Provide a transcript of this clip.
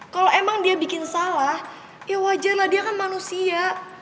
kalo emang dia bikin salah ya wajar lah dia kan manusia